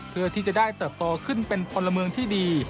เพื่อที่จะได้เติบโตขึ้นเป็นพลเมืองที่ดี